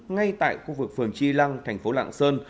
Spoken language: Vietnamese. ngay tại khu vực phường tri lăng thành phố lạng sơn